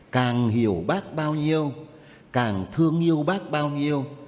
càng hiểu bác bao nhiêu càng thương yêu bác bao nhiêu